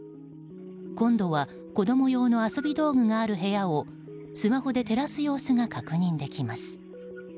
今度は、子供用の遊び道具がある部屋をスマホで照らす様子が確認できます。